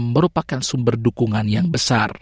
merupakan sumber dukungan yang besar